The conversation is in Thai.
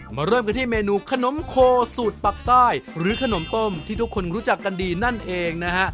เริ่มกันที่เมนูขนมโคสูตรปักใต้หรือขนมต้มที่ทุกคนรู้จักกันดีนั่นเองนะฮะ